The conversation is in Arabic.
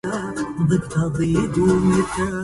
ألم تر أن المال يهلك أهله